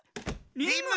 リム。